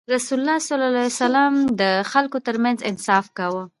رسول الله ﷺ د خلکو ترمنځ انصاف کاوه.